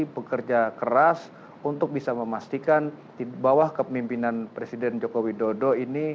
bekerja keras untuk bisa memastikan di bawah kepemimpinan presiden joko widodo ini